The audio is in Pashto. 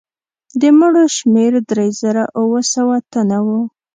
د مړو شمېر درې زره اووه سوه تنه وو.